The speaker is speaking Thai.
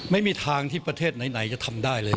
ไม่มีทางที่ประเทศไหนจะทำได้เลย